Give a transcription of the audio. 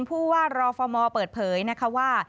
ผู้ว่ารอบฟอร์มอล์เปิดเผยนะคะว่า